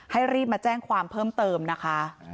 รีบมาแจ้งความเพิ่มเติมนะคะ